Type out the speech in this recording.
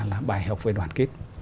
là bài học về đoàn kết